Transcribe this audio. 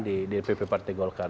di pp partai golkar